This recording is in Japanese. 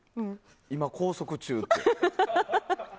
今、拘束中って。